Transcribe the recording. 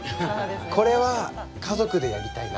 これは家族でやりたいなと。